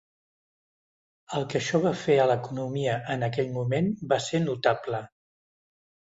El que això va fer a l'economia en aquell moment va ser notable.